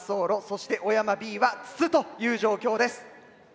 そして小山Ｂは筒という状況です。